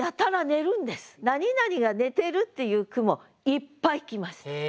「なになにが寝てる」っていう句もいっぱい来ました。